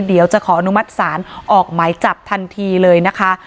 เดี๋ยวจะขออนุมัติศาลออกหมายจับทันทีเลยนะคะ